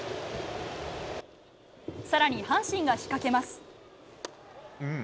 さらに阪神が仕掛けます。